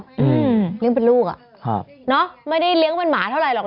อืมเลี้ยงเป็นลูกอ่ะครับเนอะไม่ได้เลี้ยงเป็นหมาเท่าไหรอก